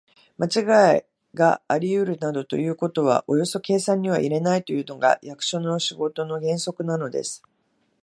まちがいがありうるなどということはおよそ計算には入れないというのが、役所の仕事の原則なのです。